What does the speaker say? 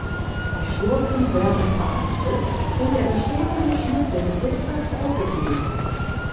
Die Schurken werden verhaftet und der gestohlene Schmuck dem Besitzer zurückgegeben.